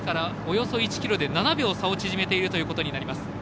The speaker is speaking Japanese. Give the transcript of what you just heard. およそ１ｋｍで７秒差を縮めているということになります。